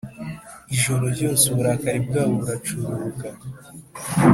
ijoro ryose uburakari bwabo buracururuka;